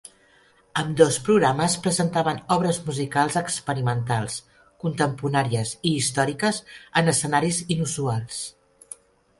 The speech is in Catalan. Ambdós programes presentaven obres musicals experimentals contemporànies i històriques en escenaris inusuals.